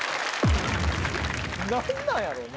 何なんやろな？